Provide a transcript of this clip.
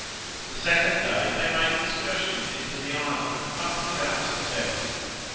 The second day they made excursions into the island, but without success.